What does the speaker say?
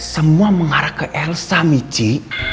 semua mengarah ke elsa michi